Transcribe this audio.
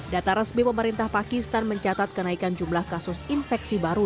data resmi pemerintah pakistan mencatat kenaikan jumlah kasus infeksi baru